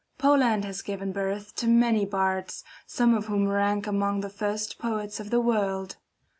Poland has given birth to many bards, some of whom rank among the first poets of the world.